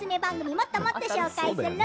もっともっと紹介するよ。